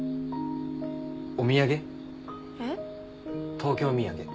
東京土産。